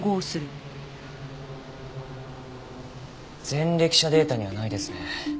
前歴者データにはないですね。